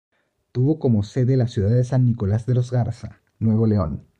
Tuvo como sede la ciudad de San Nicolas de los Garza, Nuevo León.